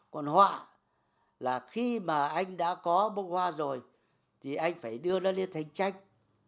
còn họa là khi mà anh đã có một hoa rồi thì anh phải đưa nó lên thành tranh